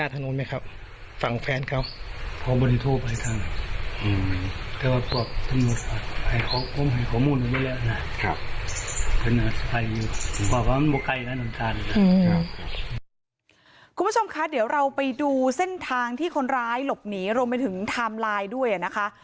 คุณผู้ชมคะเดี๋ยวเราไปดูเส้นทางที่คนร้ายหลบหนีรวมไปถึงไทม์ไลน์ด้วยนะคะ